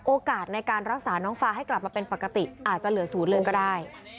โอกาสในการรักษาน้องฟ้าให้กลับมาเป็นปกติอาจจะเหลือศูนย์เลยก็ได้